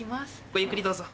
ごゆっくりどうぞ。